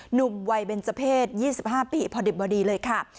หนุ่มวัยเบนเจอร์เพศ๒๕ปีพอดิบพอดีเลยค่ะ